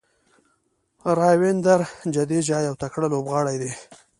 راوېندر جډیجا یو تکړه لوبغاړی دئ.